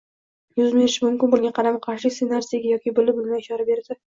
yuz berishi mumkin bo‘lgan qarama-qarshilik ssenariysiga bilib yoki bilmay ishora berdi.